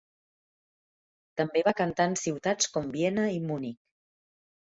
També va cantar en ciutats com Viena i Munic.